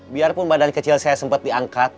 biarpun badan kecil saya sempat diangkat